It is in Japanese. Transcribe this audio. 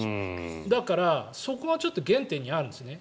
だから、そこがちょっと原点にあるんですね。